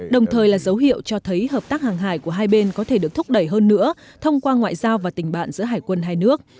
đồng thời là dấu hiệu cho thấy hợp tác hàng hải của hai bên có thể được thúc đẩy hơn nữa thông qua ngoại giao và tình bạn giữa hải quân hai nước